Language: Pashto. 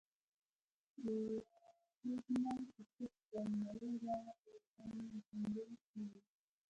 د سپوږمیو کشش به مړي را ژوندي کړي.